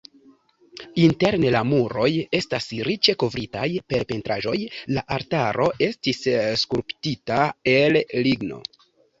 Interne la muroj estas riĉe kovritaj per pentraĵoj, la altaro estis skulptita el ligno.